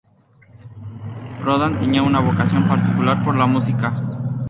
Prodan tenía una vocación particular por la música.